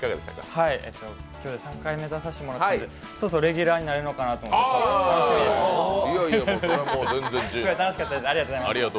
今日で３回目出させてもらったのでそろそろレギュラーになれるかなと思ってたんですけど。